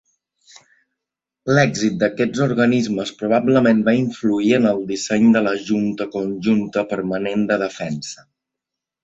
L'èxit d'aquests organismes probablement va influir en el disseny de la Junta Conjunta Permanent de Defensa